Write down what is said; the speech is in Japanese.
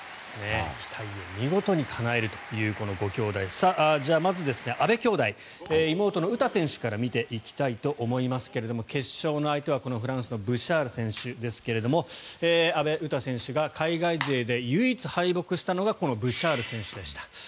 期待を見事にかなえるというこのご兄妹、まず阿部兄妹妹の詩選手から見ていきたいと思いますが決勝の相手はフランスのブシャール選手ですが阿部詩選手が海外勢で唯一、敗北したのがこのブシャール選手でした。